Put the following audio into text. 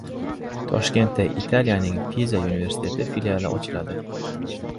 Toshkentda Italiyaning Piza universiteti filiali ochiladi